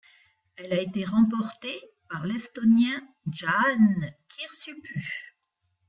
Elle a été remportée par l'Estonien Jaan Kirsipuu.